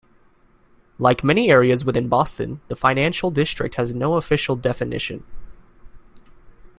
Like many areas within Boston, the Financial District has no official definition.